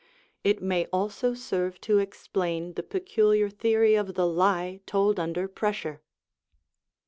It may also serve to explain the peculiar theory of the lie told under pressure.